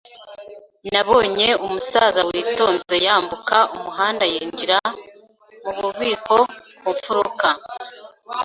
Nabonye umusaza witonze yambuka umuhanda yinjira mububiko ku mfuruka